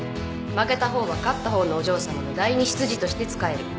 負けた方は勝った方のお嬢さまの第２執事として仕える。